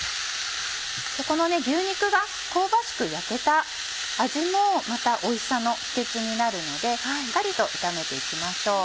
ここのね牛肉が香ばしく焼けた味もまたおいしさの秘訣になるのでしっかりと炒めて行きましょう。